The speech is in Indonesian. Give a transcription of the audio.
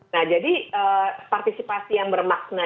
nah jadi partisipasi yang bermakna